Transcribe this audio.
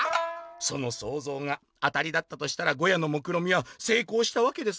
「そのそうぞうが当たりだったとしたらゴヤのもくろみはせいこうしたわけですね。